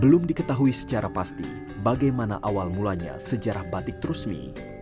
belum diketahui secara pasti bagaimana awal mulanya sejarah batik trusmi